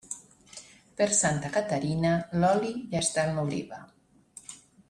Per Santa Caterina, l'oli ja està en l'oliva.